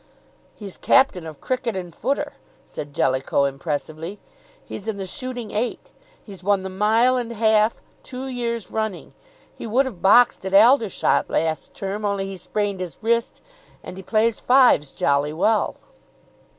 "He's captain of cricket and footer," said Jellicoe impressively. "He's in the shooting eight. He's won the mile and half two years running. He would have boxed at Aldershot last term, only he sprained his wrist. And he plays fives jolly well!"